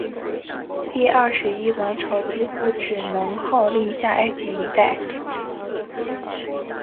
第二十一王朝几乎只能号令下埃及一带。